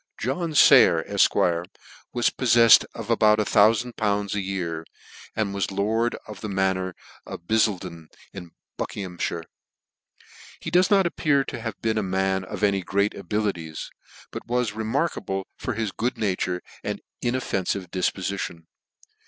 John Sayer, Efq. was pofiefled of about loool. a yea r , and was lord of the Manor of Biddlefden, in Biickirighammire. He does not appear to have been a man of any great abilities ; but was re markable for his good nature and inoffenfive dif pofition.